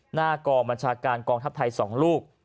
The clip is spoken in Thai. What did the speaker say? หน้ากองบัญชาการกองทัพไทย๒ลูก